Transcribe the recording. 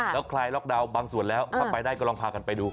แล้วคลายล็อกดาวน์บางส่วนแล้วถ้าไปได้ก็ลองพากันไปดู